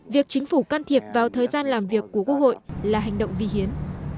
việc chính phủ can thiệp vào thời gian làm việc của quốc hội là hành động vi hiến